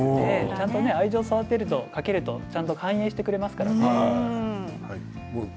愛情をかけるとちゃんと反映してくれますからね。